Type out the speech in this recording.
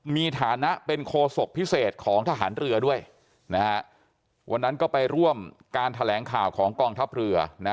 มีฐานะเป็นโคศกพิเศษของทหารเรือด้วยนะฮะวันนั้นก็ไปร่วมการแถลงข่าวของกองทัพเรือ